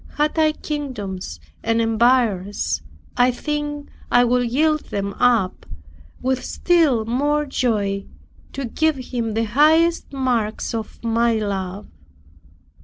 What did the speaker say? Had I kingdoms and empires, I think I would yield them up with still more joy, to give Him the higher marks of my love.